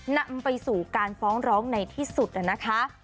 นำไปสู่การฟ้องร้องในที่สุดนะคะ